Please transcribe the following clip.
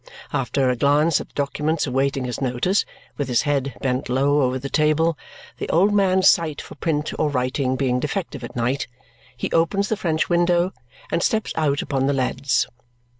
After a glance at the documents awaiting his notice with his head bent low over the table, the old man's sight for print or writing being defective at night he opens the French window and steps out upon the leads.